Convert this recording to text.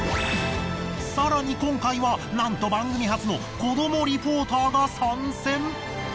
更に今回はなんと番組初の子どもリポーターが参戦。